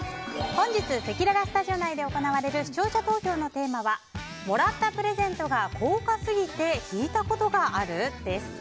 本日せきららスタジオ内で行われる視聴者投票のテーマはもらったプレゼントが高価すぎて引いたことがある？です。